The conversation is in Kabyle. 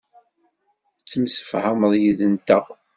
Tettemsefhameḍ yid-nteɣ.